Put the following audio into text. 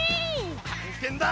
たんけんだ！